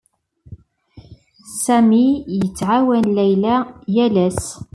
Sami yettɛawan Layla yal ass.